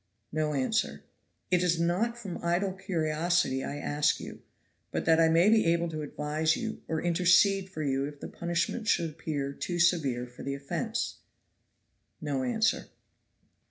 No answer. "It is not from idle curiosity I ask you, but that I may be able to advise you, or intercede for you if the punishment should appear too severe for the offense." No answer.